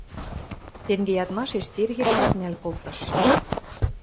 Тенге ядмашеш Серге цӓкнӓл колтыш.